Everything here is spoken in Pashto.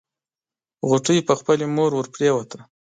غوټۍ پر خپلې مور ورپريوته.